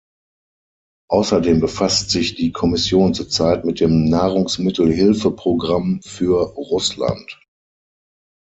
Außerdem befasst sich die Kommission zur Zeit mit dem Nahrungsmittelhilfeprogramm für Russland.